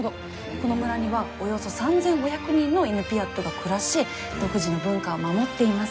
この村にはおよそ３，５００人のイヌピアットが暮らし独自の文化を守っています。